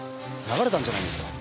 流れたんじゃないんですか？